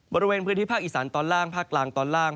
บริเวณพื้นที่ภาคอีสานตอนล่างภาคกลางตอนล่าง